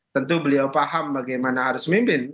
tentu beliau paham bagaimana harus mimpin